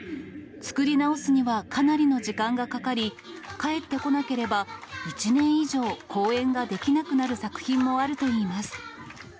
作り直すには、かなりの時間がかかり、返ってこなければ１年以上、公演ができなくなる作品もあるといいます。